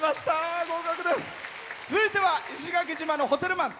続いては石垣島のホテルマン。